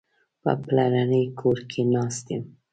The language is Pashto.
په پلرني کور کې ناست یم.